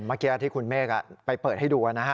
เมื่อกี้ที่คุณเมฆไปเปิดให้ดูนะฮะ